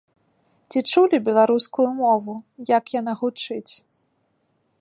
Ці чулі беларускую мову, як яна гучыць?